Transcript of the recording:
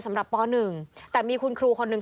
สำหรับป๑แต่มีคุณครูคนนึง